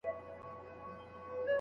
د تیزس دفاع نه شاته اچول کېږي.